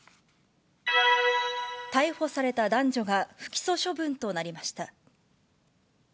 逮捕された男女が不起訴処分となりました。